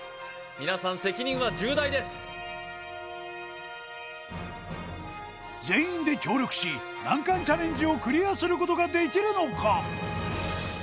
皆さん責任は重大です全員で協力し難関チャレンジをクリアすることができるのか？